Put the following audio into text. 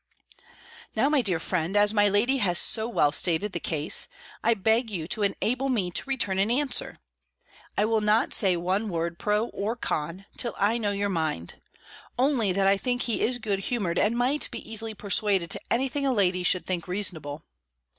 Now, my dear friend, as my lady has so well stated the case, I beg you to enable me to return an answer. I will not say one word pro or con. till I know your mind Only, that I think he is good humoured and might be easily persuaded to any thing a lady should think reasonable.